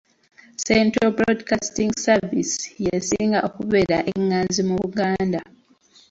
Central Broadcasting Service y'esinga okubeera enganzi mu Buganda.